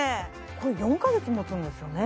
これ４か月もつんですよね？